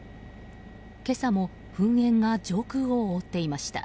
今朝も噴煙が上空を覆っていました。